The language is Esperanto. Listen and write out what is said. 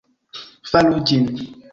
Faru ĝin